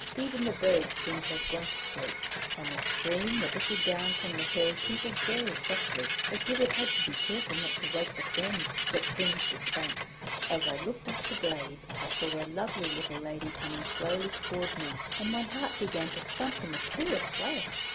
Even the birds seemed to have gone to sleep, and the stream that trickled down from the hill tinkled very softly, as if it had to be careful not to wake the ferns that fringed its banks. As I looked up the glade I saw a lovely little lady coming slowly towards me, and my heart began to thump in the queerest way.